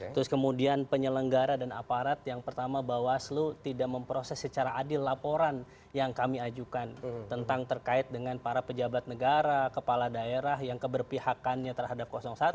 terus kemudian penyelenggara dan aparat yang pertama bawaslu tidak memproses secara adil laporan yang kami ajukan tentang terkait dengan para pejabat negara kepala daerah yang keberpihakannya terhadap satu